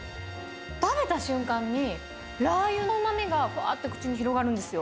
食べた瞬間に、ラー油のうまみがふわっと口に広がるんですよ。